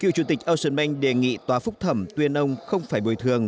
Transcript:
cựu chủ tịch ocean bank đề nghị tòa phúc thẩm tuyên ông không phải bồi thường